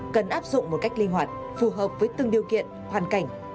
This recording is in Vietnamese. cần áp dụng một cách linh hoạt phù hợp với từng điều kiện hoàn cảnh